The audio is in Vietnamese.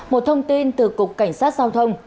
một thông tin từ cục cảnh sát giao thông